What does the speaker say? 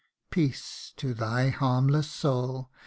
' Peace to thy harmless soul